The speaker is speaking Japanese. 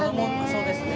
そうですね。